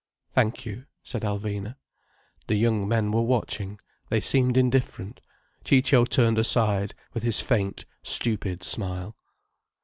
"Thank you," said Alvina. The young men were watching. They seemed indifferent. Ciccio turned aside, with his faint, stupid smile.